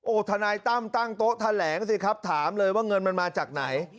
ทนายตั้มตั้งโต๊ะแถลงสิครับถามเลยว่าเงินมันมาจากไหน